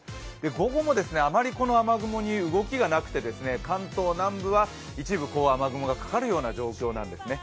午後も、あまりこの雨雲に動きがなくて、関東南部は一部、雨雲がかかるような状況なんですね。